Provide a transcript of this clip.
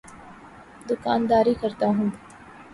دوکانداری کرتا ہوں۔